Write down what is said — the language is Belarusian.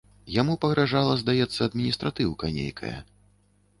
Яму пагражала, здаецца, адміністратыўка нейкая.